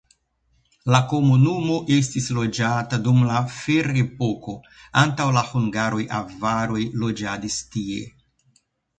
La komunumo estis loĝata dum la ferepoko, antaŭ la hungaroj avaroj loĝadis tie.